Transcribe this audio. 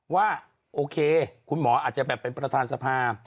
ว่าโอเคคุณหมออาจจะแบบเป็นประธานสภา